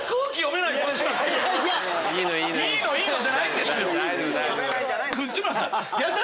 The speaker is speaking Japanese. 「いいのいいの」じゃないんです！